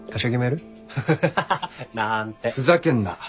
ふざけんな。